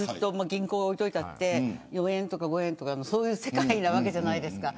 銀行に置いておいても４円とか５円とかそういう世界なわけじゃないですか。